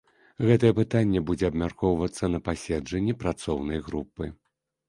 Гэтае пытанне будзе абмяркоўвацца на паседжанні працоўнай групы.